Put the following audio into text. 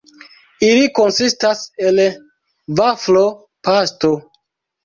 Ili konsistas el vaflo-pasto.